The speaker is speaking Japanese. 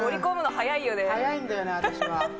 速いんだよね、私は。